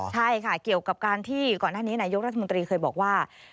ใช่ค่ะเกี่ยวกับการที่ก่อนหน้านี้นายกรัฐมนตรีเคยบอกว่า